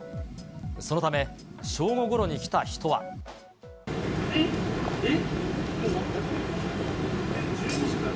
そのため、正午ごろに来た人は。えっ？えっ？